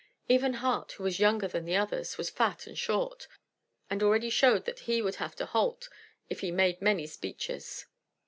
Even Hart, who was younger than the others, was fat and short, and already showed that he would have to halt if he made many speeches.